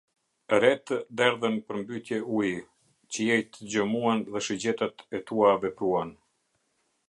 Retë derdhën përmbytje uji, qiejtë gjëmuan dhe shigjetat e tua vepruan.